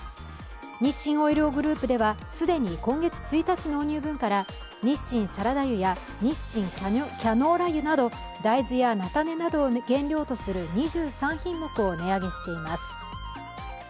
日清オイリオグループでは既に今月１日納入分から日清サラダ油や日清キャノーラ油など大豆や菜種などを原料とする２３品目を値上げしています。